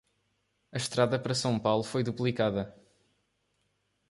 A estrada para São Paulo foi duplicada.